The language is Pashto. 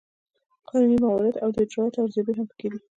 قانوني موارد او د اجرااتو ارزیابي هم پکې دي.